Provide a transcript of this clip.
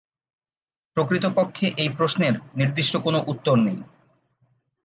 প্রকৃতপক্ষে এই প্রশ্নের নির্দিষ্ট কোনো উত্তর নেই।